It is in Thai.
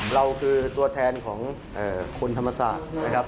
เราคือตัวแทนของคนธรรมศาสตร์